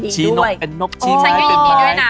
ชี้นกเป็นนกชี้ไม้เป็นไม้